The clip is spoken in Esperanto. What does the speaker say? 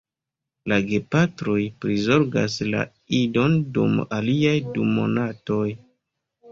La gepatroj prizorgas la idon dum aliaj du monatoj.